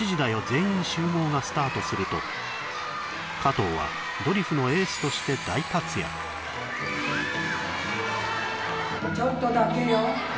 全員集合」がスタートすると加藤はドリフのエースとして大活躍ちょっとだけよ